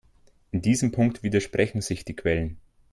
In diesem Punkt widersprechen sich die Quellen.